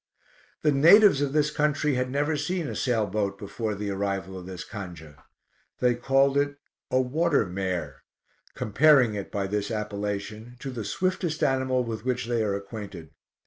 The natives of this country had never seen a sail boat before the arrival of this Canja. They called it "a water mare" comparing it, by this appellation, to the swiftest animal with which they are acquainted.